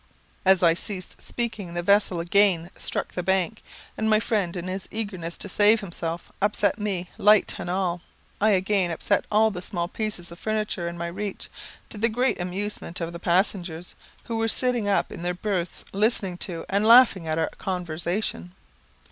As I ceased speaking the vessel again struck the bank, and my friend, in his eagerness to save himself, upset me, light and all. I again upset all the small pieces of furniture in my reach, to the great amusement of the passengers, who were sitting up in their berths listening to; and laughing at our conversation.